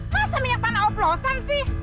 masa minyak tanah oplosan sih